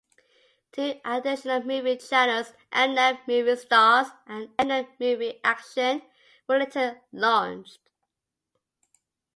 Two additional movie channels, M-Net Movies Stars and M-Net Movies Action, were later launched.